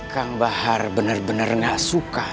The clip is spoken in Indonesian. kang bahar benar benar gak suka